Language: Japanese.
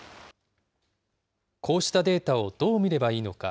こうしたデータをどう見ればいいのか。